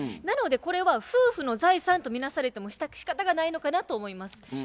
なのでこれは夫婦の財産とみなされてもしかたがないのかなと思います。